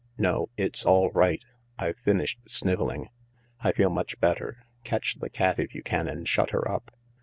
"No, it's all right. I've finished snivelling. I feel much better. Catch the cat if you can and shut her up.